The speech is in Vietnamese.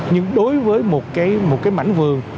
nhưng đối với một cái mảnh vườn